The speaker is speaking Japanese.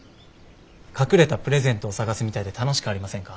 隠れたプレゼントを探すみたいで楽しくありませんか？